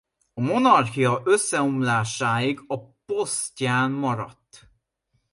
A Monarchia összeomlásáig a posztján maradt.